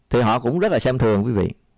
thì họ cũng rất là xem thường quý vị